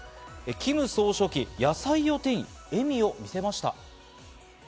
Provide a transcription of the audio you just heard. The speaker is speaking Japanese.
キム総書記、野菜を手に笑みを見せました。